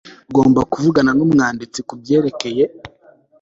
Uzagomba kuvugana numwanditsi kubyerekeye